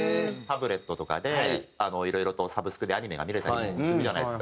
タブレットとかでいろいろとサブスクでアニメが見れたりとかするじゃないですか。